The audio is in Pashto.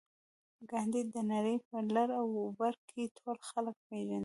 ګاندي د نړۍ په لر او بر کې ټول خلک پېژني